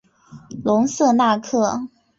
隆瑟纳克。